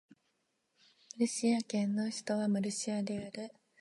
ムルシア県の県都はムルシアである